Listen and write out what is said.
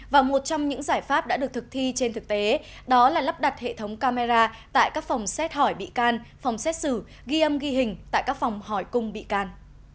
và một trong những giải pháp đã được thực thi trên thực tế đó là lắp đặt hệ thống camera tại các phòng xét hỏi bị can phòng xét xử ghi âm ghi hình tại các phòng hỏi cung bị can